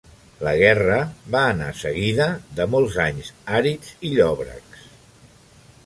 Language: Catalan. La guerra va anar seguida de molts anys àrids i llòbrecs.